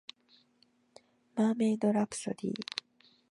マーメイドラプソディ